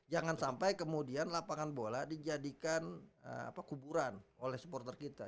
jangan sampai kemudian lapangan bola dijadikan kuburan oleh supporter kita